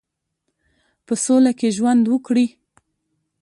په سوله کې ژوند وکړي.